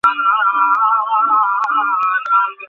কেননা, এই আনাযা উপরোক্ত আনাযার দীর্ঘকাল পরে এসেছে।